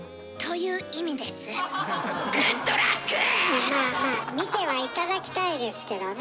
まあまあ見ては頂きたいですけどね。